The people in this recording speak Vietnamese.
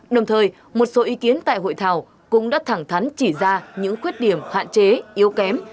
đồng thời một số ý kiến tại hội thảo cũng đã thẳng thắn chỉ ra những khuyết điểm hạn chế yếu kém